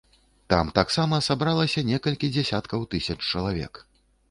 Там таксама сабралася некалькі дзясяткаў тысяч чалавек.